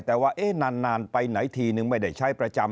แต่ว่านานไปไหนทีนึงไม่ได้ใช้ประจำ